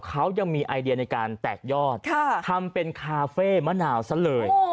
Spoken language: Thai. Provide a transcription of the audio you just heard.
เขายังมีไอเดียในการแตกยอดทำเป็นคาเฟ่มะนาวซะเลย